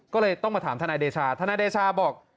ก็เลยต้องมาถามทนายเดชาธนายเดชาบอก